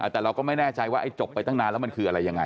แต่เราก็ไม่แน่ใจว่าไอ้จบไปตั้งนานแล้วมันคืออะไรยังไง